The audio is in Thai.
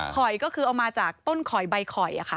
่อยก็คือเอามาจากต้นข่อยใบข่อย